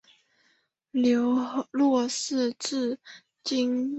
梁洛施至今未婚。